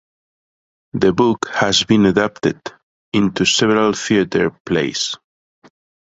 The book has been adapted into several theater plays.